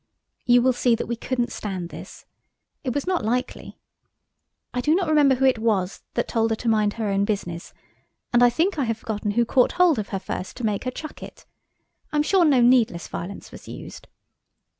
You will see that we couldn't stand this; it was not likely. I do not remember who it was that told her to mind her own business, and I think I have forgotten who caught hold of her first to make her chuck it. I am sure no needless violence was used.